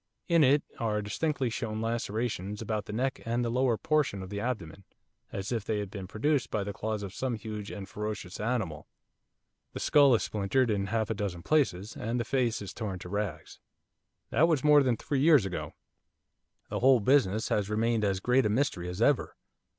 In it are distinctly shown lacerations about the neck and the lower portion of the abdomen, as if they had been produced by the claws of some huge and ferocious animal. The skull is splintered in half a dozen places, and the face is torn to rags. That was more than three years ago. The whole business has remained as great a mystery as ever.